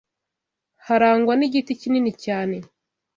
Harangwa n’Igiti kinini cyane